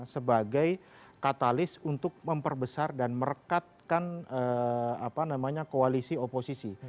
sebagai katalis untuk memperbesar dan merekatkan koalisi oposisi